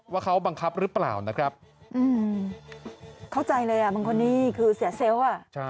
ว่าเขาบังคับหรือเปล่านะครับเข้าใจเลยอ่ะบางคนนี่คือเสียเซลล์อ่ะ